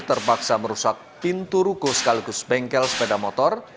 terpaksa merusak pintu ruko sekaligus bengkel sepeda motor